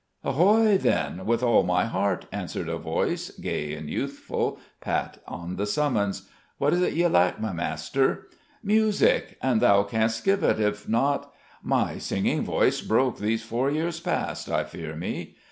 "Ahoy, then, with all my heart!" answered a voice, gay and youthful, pat on the summons. "What is't ye lack, my master?" "Music, an thou canst give it. If not " "My singing voice broke these four years past, I fear me."